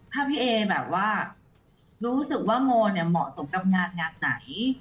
ถ้าพี่เอแบบว่ารู้สึกว่าโมเนี่ยเหมาะสมกับงานงานไหน